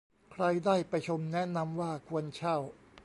ใครได้ไปชมแนะนำว่าควรเช่า